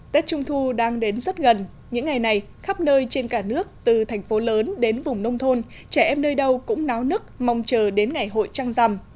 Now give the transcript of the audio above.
tết trung thu đang đến rất gần những ngày này khắp nơi trên cả nước từ thành phố lớn đến vùng nông thôn trẻ em nơi đâu cũng náo nức mong chờ đến ngày hội trăng rằm